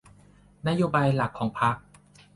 นโยบายหลักของพรรค